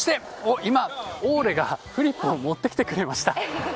オーレがフリップを持ってきてくれました。